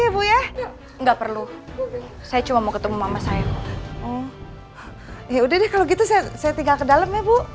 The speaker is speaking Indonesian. ya bu ya enggak perlu saya cuma mau ketemu mama saya ya udah deh kalau gitu saya tinggal ke dalam ya bu